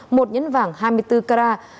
một nhân vàng hai mươi bốn carat